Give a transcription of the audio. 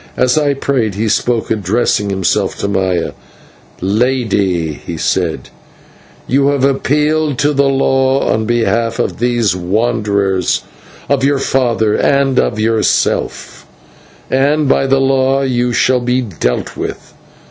As I prayed he spoke, addressing himself to Maya: "Lady," he said, "you have appealed to the law on behalf of these wanderers, of your father, and of yourself, and by the law you shall be dealt with.